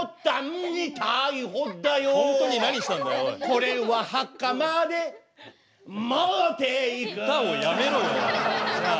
これは墓まで持っていく歌をやめろよじゃあ。